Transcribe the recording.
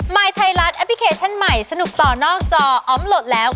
ยไทยรัฐแอปพลิเคชันใหม่สนุกต่อนอกจออมโหลดแล้ว